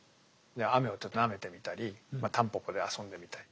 雨をちょっとなめてみたりたんぽぽで遊んでみたり。